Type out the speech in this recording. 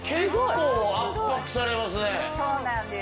そうなんです。